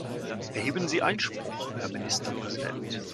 Erheben Sie Einspruch, Herr Ministerpräsident!